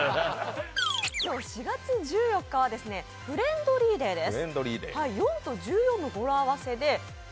今日４月１４日はフレンドリーデーです。